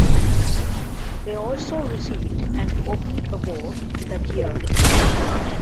They also received an Obie award that year.